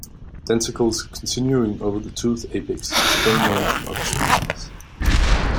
Denticles continuing over the tooth apex are today known from other species.